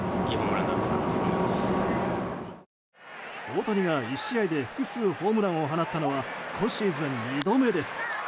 大谷が１試合で複数ホームランを放ったのは今シーズン２度目です。